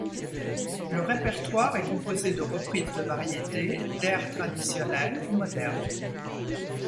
Le répertoire est composé de reprises de variétés, d'airs traditionnels ou modernes.